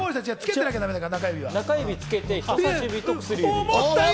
中指つけて、人さし指と薬指。